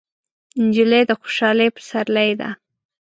نجلۍ د خوشحالۍ پسرلی ده.